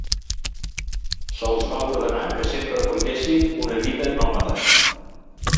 Se'ls va ordenar que sempre portessin una vida nòmada.